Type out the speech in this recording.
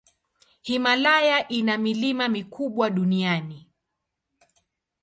Himalaya ina milima mikubwa duniani.